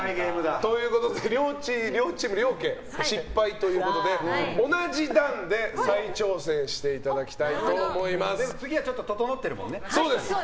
ということで両家失敗ということで同じ段で再挑戦していただきたいと次はちょっと整ってるもんね。